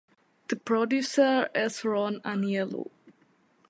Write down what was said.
The producer is Ron Aniello.